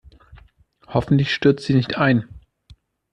Hoffentlich stürzt sie nicht ein.